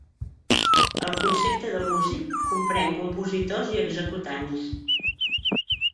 El concepte de músic comprèn compositors i executants.